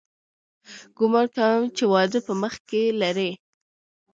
ګومان کوم چې واده په مخ کښې لري.